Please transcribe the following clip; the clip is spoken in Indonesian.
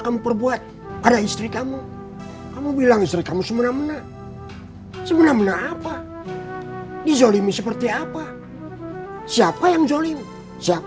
kamu tidak salah istri kamu tidak salah